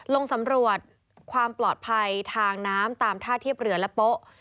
ลงสำรวจความปลอดภัยทางน้ำตามท่าเทียบเรือและโป๊ะ